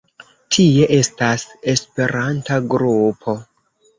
Tie estas esperanta grupo.